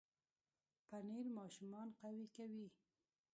پنېر ماشومان قوي کوي.